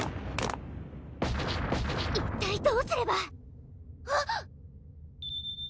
一体どうすればあっ！